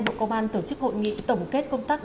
bộ công an tổ chức hội nghị tổng kết công tác